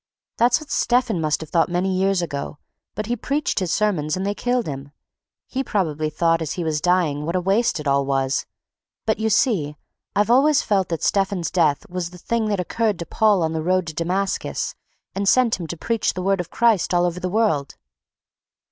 "That's what Stephen must have thought many years ago. But he preached his sermon and they killed him. He probably thought as he was dying what a waste it all was. But you see, I've always felt that Stephen's death was the thing that occurred to Paul on the road to Damascus, and sent him to preach the word of Christ all over the world."